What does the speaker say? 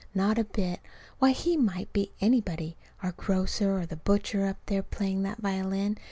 Not a bit. Why, he might be anybody, our grocer, or the butcher, up there playing that violin.